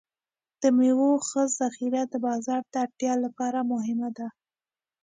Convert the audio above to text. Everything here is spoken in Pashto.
د میوو ښه ذخیره د بازار د اړتیا لپاره مهمه ده.